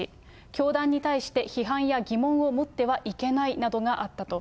教団に対して、批判や疑問を持ってはいけないなどがあったと。